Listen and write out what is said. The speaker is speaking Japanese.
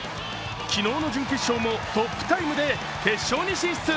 昨日の準決勝もトップタイムで決勝へ進出。